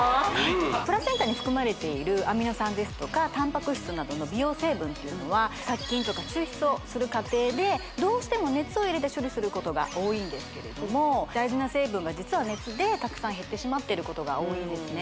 プラセンタに含まれているアミノ酸ですとかたんぱく質などの美容成分というのは殺菌とか抽出をする過程でどうしても熱を入れて処理することが多いんですけれども大事な成分が実は熱でたくさん減ってしまっていることが多いんですね